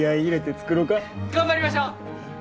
頑張りましょう！